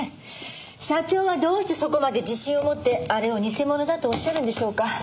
社長はどうしてそこまで自信を持ってあれを偽物だとおっしゃるんでしょうか？